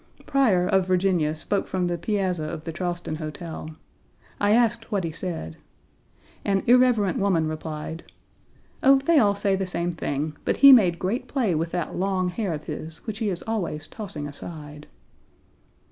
Pryor, of Virginia, spoke from the piazza of the Charleston hotel. I asked what he said. An irreverent woman replied: "Oh, they all say the same thing, but he made great play with that long hair of his, which he is always tossing aside!"